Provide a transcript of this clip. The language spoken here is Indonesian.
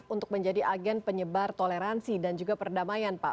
untuk menjadi agen penyebar toleransi dan juga perdamaian pak